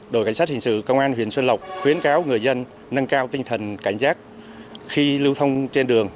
đội cảnh sát hình sự công an huyện xuân lộc khuyến cáo người dân nâng cao tinh thần cảnh giác khi lưu thông trên đường